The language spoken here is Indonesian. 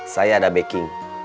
saya ada backing